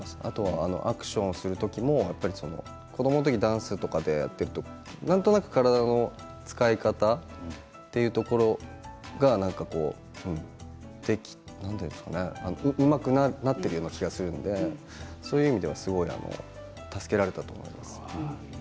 アクションする時も子どもの時ダンスをやっているとなんとなく体の使い方というところ何て言うんですかねうまくなっているというような気がするのでそういう意味では助けられたと思います。